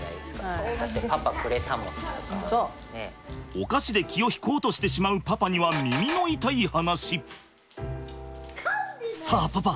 お菓子で気を引こうとしてしまうパパにはさあパパ